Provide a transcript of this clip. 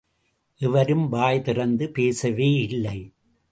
எவரும் வாய் திறந்து பேசவேயில்லை.